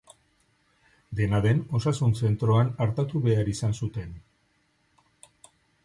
Dena den, osasun zentroan artatu behar izan zuten.